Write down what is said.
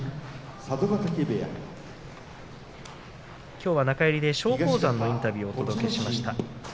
きょうは中入りで松鳳山のインタビューをお届けしました。